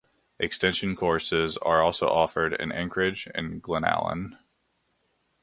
Extension courses are also offered in Anchorage and Glennallen.